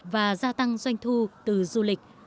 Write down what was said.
và gia tăng doanh thu từ du lịch